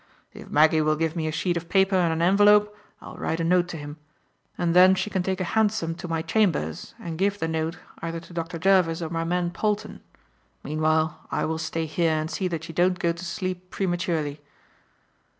If Maggie will give me a sheet of paper and an envelope I will write a note to him; and then she can take a hansom to my chambers and give the note either to Dr. Jervis or my man Polton. Meanwhile, I will stay here and see that you don't go to sleep prematurely."